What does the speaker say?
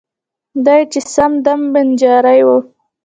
دای یې سم دم بنجارۍ و.